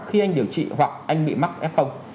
khi anh điều trị hoặc anh bị mắc f